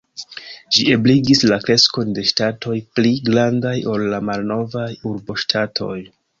Ĝi ebligis la kreskon de ŝtatoj pli grandaj ol la malnovaj urboŝtatoj.